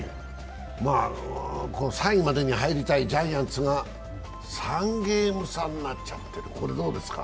３位までに入りたいジャイアンツが３ゲーム差になっちゃってる、どうですか？